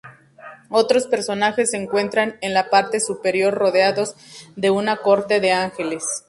Otros personajes se encuentran en la parte superior rodeados de una corte de ángeles.